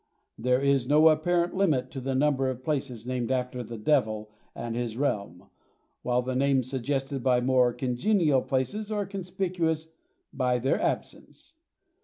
There is no apparent limit to the number of places named after the Devil and his realm, while the names suggested by more congenial places are conspicuous by their absence.